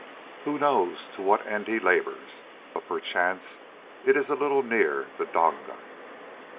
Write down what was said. _ Who knows to what end he labours? But perchance it is a little near the donga.